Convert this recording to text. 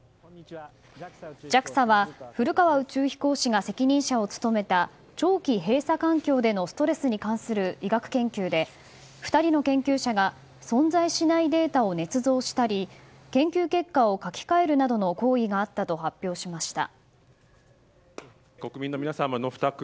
ＪＡＸＡは古川宇宙飛行士が責任者を務めた長期閉鎖環境でのストレスに関する医学研究で、２人の研究者が存在しないデータをねつ造したり研究結果を書き換えるなどの行為があったと発表しました。